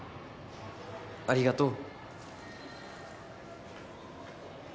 ありがとう。